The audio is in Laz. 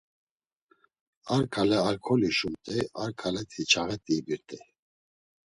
Ar ǩale alkoli şumt̆ey, ar ǩaleti çağet̆i ibirt̆ey.